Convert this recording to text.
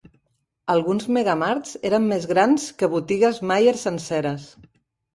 Alguns Megamarts eren més grans que botigues Myer senceres.